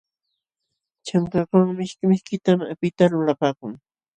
Chankakawan mishki mishkitam apita lulapaakun.